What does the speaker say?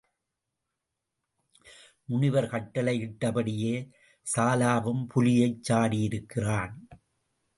முனிவர் கட்டளையிட்டபடியே சாலாவும் புலியைச் சாடியிருக்கிறான்.